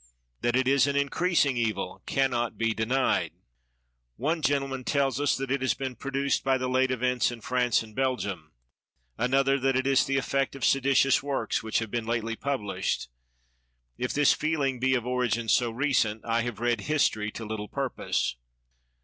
That it is an increasing evil can not be denied. 131 THE WORLD'S FAMOUS ORATIONS One gentleman tells us that it has been pro duced by the late events in France and Belgium ; another, that it is the effect of seditious works which have lately been published. If this feeling be of origin so recent, I have read history to little purpose.